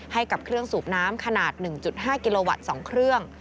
ให้กับเครื่องสูบน้ำขนาด๑๕กิโลวัตต์๒เครื่อง